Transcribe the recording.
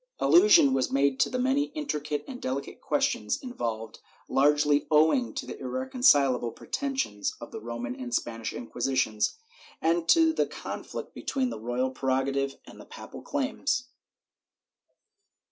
Allusion was made to the many intricate and delicate questions involved, largely owing to the irreconcileable pretensions of the Roman and Spanish Inquisitions, and to the conflict between the royal pre rogative and the papal claims.